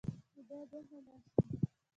چې باید ومنل شي.